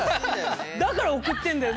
だから送ってんだよ。